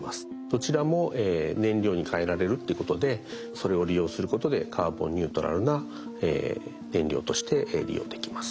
どちらも燃料に変えられるってことでそれを利用することでカーボンニュートラルな燃料として利用できます。